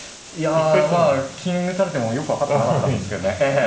いやまあ金打たれてもよく分かってなかったんですけどね。